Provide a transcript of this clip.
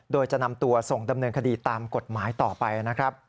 โดยจะนำตัวส่งดำเนินคดีตามกฎหมายต่อไปนะครับ